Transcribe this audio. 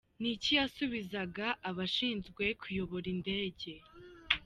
Ni iki yasubizaga abashinzwe kuyobora indege?.